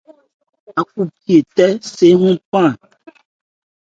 Ákhúbhɛ́óthe se hɔ́n pɛn.